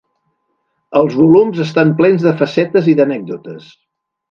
Els volums estan plens de facetes i d'anècdotes.